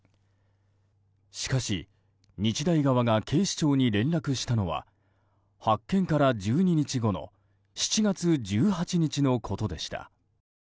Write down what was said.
しかし、日大側が警視庁に連絡したのは発見から１２日後の７月１８日のことでした。